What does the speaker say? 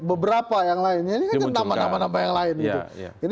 beberapa yang lainnya ini kan nama nama yang lain gitu